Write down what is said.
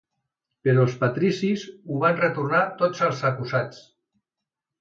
Però els patricis ho van retornar tot als acusats.